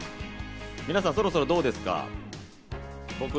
皆さん、そろそろどうですか？